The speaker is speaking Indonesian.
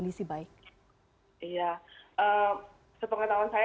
meskipun kondisinya saat ini tidak dalam kondisi baik